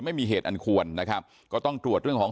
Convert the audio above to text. ไม่มีเหตุอันควรนะครับก็ต้องตรวจเรื่องของ